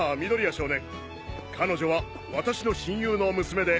少年彼女は私の親友の娘で。